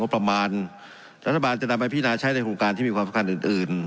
รัฐบาลจะนำไปพินาใช้ในโครงการที่มีความสำคัญอื่น